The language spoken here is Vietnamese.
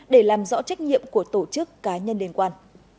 để làm rõ trách nhiệm của tổ chức cá nhân định